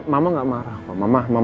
mama gak marah kok